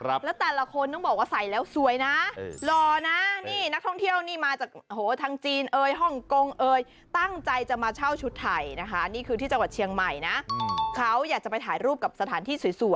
อันนี้ฉันไปอินเดียฉันก็ไปเช่าชุดที่เป็นสหรี